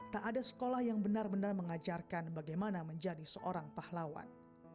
tak ada sekolah yang benar benar mengajarkan bagaimana menjadi seorang pahlawan